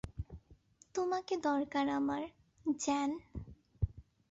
তোমাকে দরকার আমার, জেন।